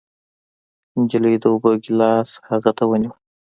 نجلۍ د اوبو ګېلاس هغه ته ونيو.